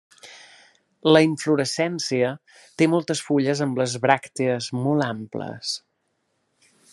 La inflorescència té moltes fulles amb les bràctees molt amples.